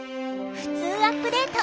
「ふつうアップデート」。